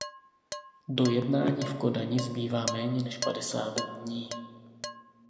Do jednání v Kodani zbývá méně než padesát dní.